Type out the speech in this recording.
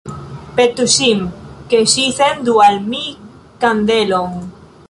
Petu ŝin, ke ŝi sendu al mi kandelon.